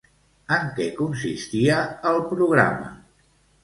En què consistia el programa?